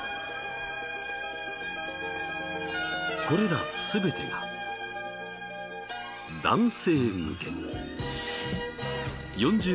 これらすべてが男性向け。